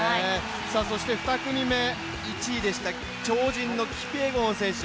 ２組目、１位でした、超人のキピエゴン選手